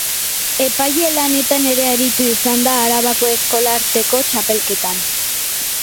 Epaile lanetan ere aritu izan da Arabako Eskolarteko Txapelketan.